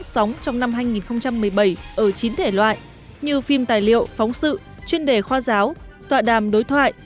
sóng trong năm hai nghìn một mươi bảy ở chín thể loại như phim tài liệu phóng sự chuyên đề khoa giáo tọa đàm đối thoại